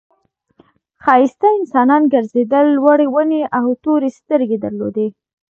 ښایسته انسانان گرځېدل لوړې ونې او تورې سترګې درلودې.